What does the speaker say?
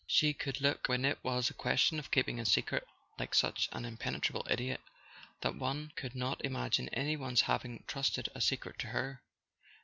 She could look, when it was a question of keeping a secret, like such an impenetrable idiot that one could not imagine any one's having trusted a secret to her.